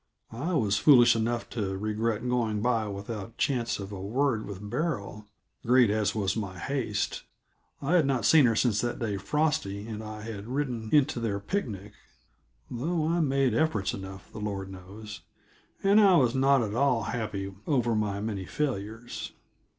I was foolish enough to regret going by without chance of a word with Beryl, great as was my haste. I had not seen her since that day Frosty and I had ridden into their picnic though I made efforts enough, the Lord knows and I was not at all happy over my many failures.